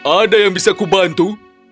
ada yang bisa kubantu